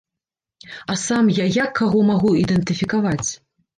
А сам я як каго магу ідэнтыфікаваць?